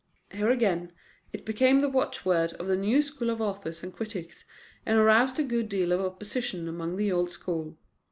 Here, again, it became the watchword of the new school of authors and critics, and aroused a good deal of opposition among the old school.